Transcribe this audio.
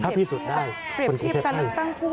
ถ้าพิสูจน์ได้คนกรุงเทพได้